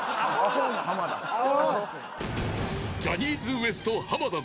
［ジャニーズＷＥＳＴ濱田の］